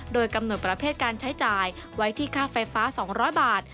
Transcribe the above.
โดยกำหนดประเภทการใช้จ่ายไว้ที่ค่าไฟฟ้า๒๐๐บาท